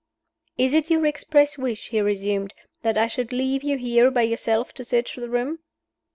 "Is it your express wish," he resumed, "that I should leave you here by yourself to search the room?"